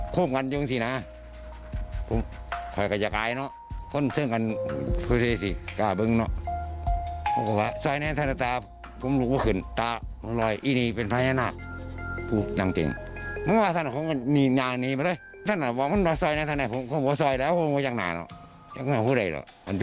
ก็ไม่คุยหรอกมันพี่น้องขาวของสีซ้อยมันมา